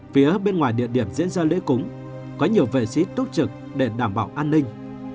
phía bên ngoài địa điểm diễn ra lễ cúng có nhiều vệ sĩ túc trực để đảm bảo an ninh